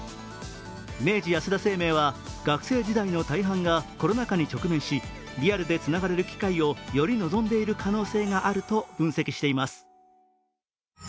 明治安田生命は、学生時代の大半がコロナ禍に直面しリアルでつながれる機会をより望んでいる可能性があると分析しています。